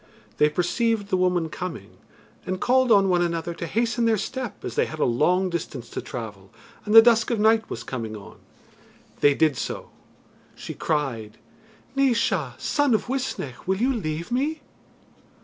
They perceived the woman coming, and called on one another to hasten their step as they had a long distance to travel, and the dusk of night was coming on. They did so. She cried: "Naois, son of Uisnech, will you leave me?"